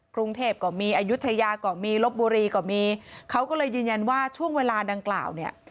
กรุงเทพก็มีอายุทยาก็มีลบบุรีก็มีเขาก็เลยยืนยันว่าช่วงเวลาดังกล่าวเนี่ย